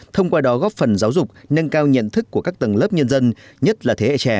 thông qua đó góp phần giáo dục nâng cao nhận thức của các tầng lớp nhân dân nhất là thế hệ trẻ